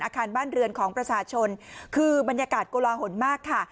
อาคารบ้านเรือนของประชาชนคือบรรยากาศโกลาหลมากค่ะ